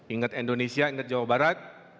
ingat indonesia ingat jawa barat